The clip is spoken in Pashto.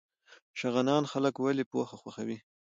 شغنان خلک ولې پوهه خوښوي؟